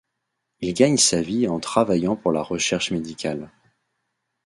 Il gagne sa vie en travaillant pour la recherche médicale.